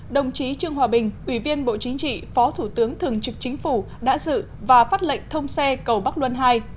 đồng chí trương hòa bình ủy viên bộ chính trị phó thủ tướng thường trực chính phủ đã dự và phát lệnh thông xe cầu bắc luân ii